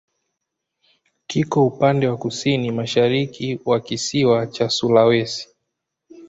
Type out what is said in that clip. Kiko upande wa kusini-mashariki wa kisiwa cha Sulawesi.